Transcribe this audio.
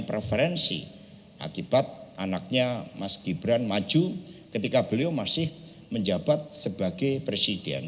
preferensi akibat anaknya mas gibran maju ketika beliau masih menjabat sebagai presiden